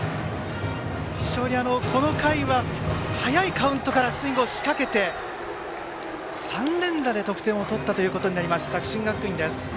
この回は早いカウントからスイングを仕掛けて３連打で得点を取りました作新学院です。